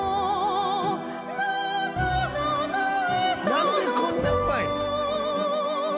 何でこんなうまいん！？